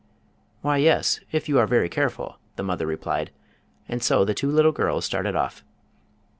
"Why, yes, if you are very careful," the mother replied, and so the two little girls started off.